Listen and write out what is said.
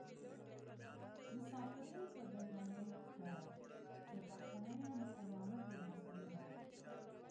مساپري په بې غمي کړه زه پښتنه يم په نامه دې ناسته يمه